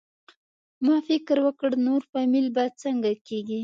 ما فکر وکړ نور فامیل به څنګه کېږي؟